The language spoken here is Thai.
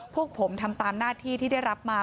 พวกผมทำตามหน้าที่ที่ได้รับมา